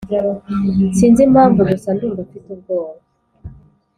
sinzi impamvu gusa ndumva mfite ubwoba